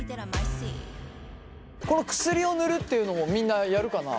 この薬を塗るっていうのもみんなやるかな。